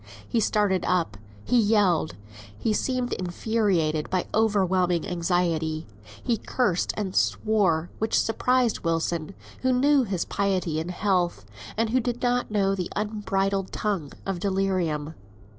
He started up, he yelled, he seemed infuriated by overwhelming anxiety. He cursed and swore, which surprised Wilson, who knew his piety in health, and who did not know the unbridled tongue of delirium.